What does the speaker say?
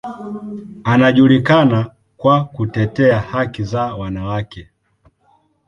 Anajulikana kwa kutetea haki za wanawake.